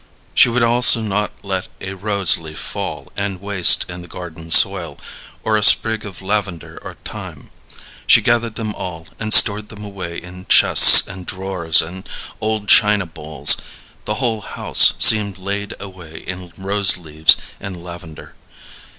She would also not let a rose leaf fall and waste in the garden soil, or a sprig of lavender or thyme. She gathered them all, and stored them away in chests and drawers and old china bowls the whole house seemed laid away in rose leaves and lavender.